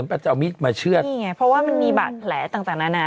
เพราะว่ามันมีแบบแผลต่างนาน